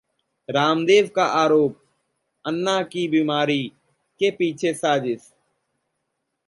रामदेव का आरोप, अन्ना की बीमारी के पीछे साजिश